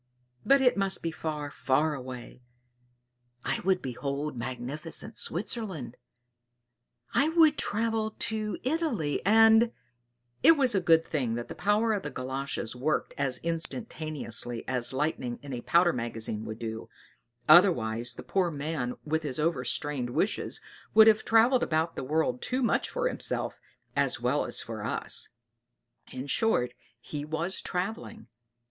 But it must be far, far away! I would behold magnificent Switzerland; I would travel to Italy, and " It was a good thing that the power of the Galoshes worked as instantaneously as lightning in a powder magazine would do, otherwise the poor man with his overstrained wishes would have travelled about the world too much for himself as well as for us. In short, he was travelling.